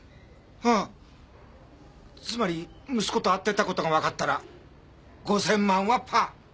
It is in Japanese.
あぁつまり息子と会ってたことがわかったら５，０００万円はパァ！